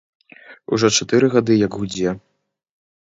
Ужо чатыры гады як гудзе.